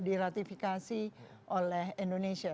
diratifikasi oleh indonesia